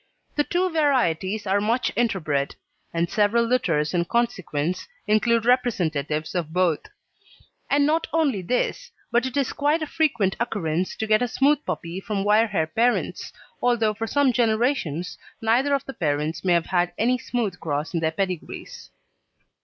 The two varieties are much interbred, and several litters in consequence include representatives of both; and not only this, but it is quite a frequent occurrence to get a smooth puppy from wire hair parents, although for some generations neither of the parents may have had any smooth cross in their pedigrees.